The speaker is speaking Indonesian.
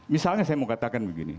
misalnya saya mau katakan begini